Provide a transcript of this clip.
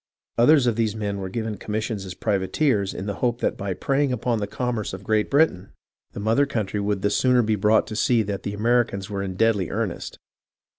Others of these men were given commissions as privateers in the hope that by preying upon the commerce of Great Britain the mother country would the sooner be brought to see that the Americans were in deadly earnest.